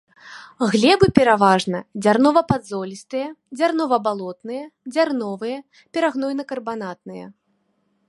Глебы пераважна дзярнова-падзолістыя, дзярнова-балотныя, дзярновыя, перагнойна-карбанатныя.